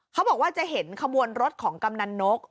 เขาบอกว่าจะเห็นขบวนรถของกำนันนก